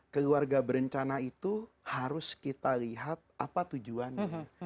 keluarga berencana itu harus kita lihat apa tujuannya